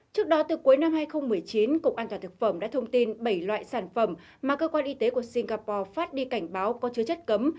trước đó từ cuối năm hai nghìn một mươi chín cục an toàn thực phẩm đã thông tin bảy loại sản phẩm mà cơ quan y tế của singapore phát đi cảnh báo có chứa chất cấm